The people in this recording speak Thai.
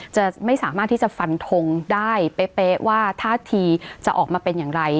จะไม่สามารถที่จะฟันทงได้เป๊ะว่าท่าทีจะออกมาเป็นอย่างไร